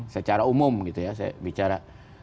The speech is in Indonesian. secara umum gitu ya saya bicara